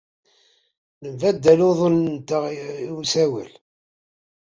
Nembaddal uḍḍunen-nteɣ n usawal.